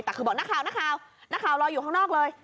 แต่คือบอกนักข่าวนักข่าวรออยู่ข้างนอกเลย